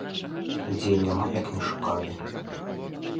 Людзей няма, як ні шукалі.